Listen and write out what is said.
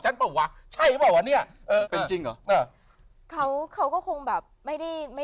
ฉันป่ะวะใช่ป่ะวะเนี่ยเป็นจริงเขาเขาก็คงแบบไม่ได้ไม่